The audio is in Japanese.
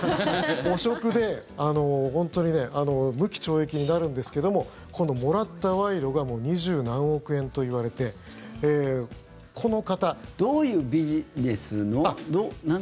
汚職で無期懲役になるんですけどもこのもらった賄賂が２０何億円といわれてどういうビジネスの何？